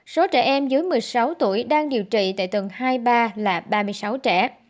số trẻ em dưới một mươi sáu tuổi đang điều trị tại tầng hai ba là ba mươi người